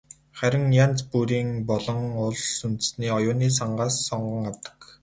Харин янз бүрийн үеийн болон улс үндэстний оюуны сангаас сонгон авдаг.